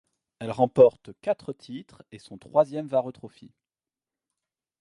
Elle remporte quatre titres et son troisième Vare Trophy.